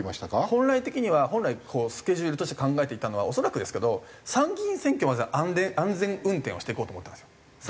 本来的には本来スケジュールとして考えていたのは恐らくですけど参議院選挙までは安全運転をしていこうと思ってますよ。